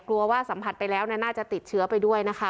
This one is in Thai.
กลัวว่าสัมผัสไปแล้วน่าจะติดเชื้อไปด้วยนะคะ